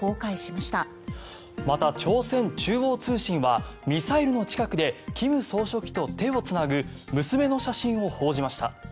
また、朝鮮中央通信はミサイルの近くで金総書記と手をつなぐ娘の写真を報じました。